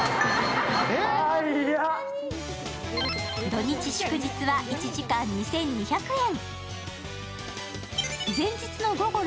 土・日、祝日は１時間２２００円。